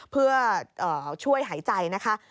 เพื่อช่วยหายใจนะคะ